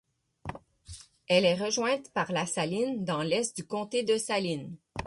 Elle est rejointe par la Saline dans l'est du comté de Saline.